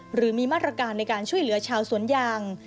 หรือมีมาตรการในการช่วยเหลือชาวสวนยาง